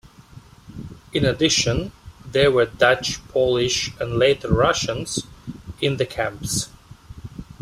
In addition, there were Dutch, Polish, and later Russians in the camps.